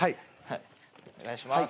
お願いします。